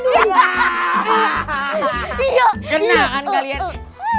kena kan kalian